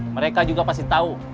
mereka juga pasti tau